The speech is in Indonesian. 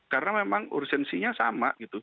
karena memang urgensinya sama gitu